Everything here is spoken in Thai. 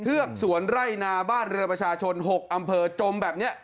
กสวนไร่นาบ้านเรือประชาชน๖อำเภอจมแบบนี้